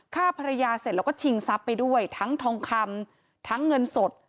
ฆ่าภรรยาเสร็จแล้วก็ชิงทรัพย์ไปด้วยทั้งทองคำทั้งเงินสด